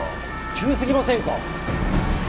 急すぎませんか？